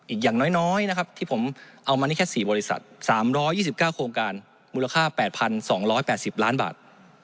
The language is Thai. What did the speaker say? อย่างน้อยนะครับที่ผมเอามานี่แค่๔บริษัท๓๒๙โครงการมูลค่า๘๒๘๐ล้านบาท